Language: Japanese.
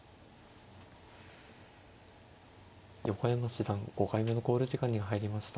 横山七段５回目の考慮時間に入りました。